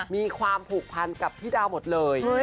มีความผูกพันกับพี่ดาวหมดเลย